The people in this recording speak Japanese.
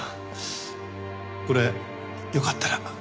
これよかったら。